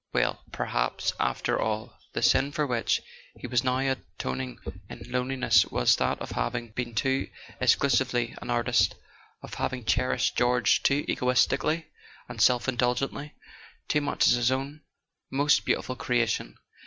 Well, perhaps after all the sin for which he was now atoning in loneliness was that of having been too exclusively an artist, of having cherished George too egotistically and self indulgently, too much as his own most beautiful creation.